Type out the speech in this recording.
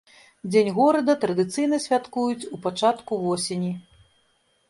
Дзень горада традыцыйна святкуюць у пачатку восені.